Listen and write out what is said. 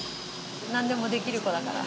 何でもできる子だから。